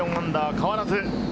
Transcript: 変わらず。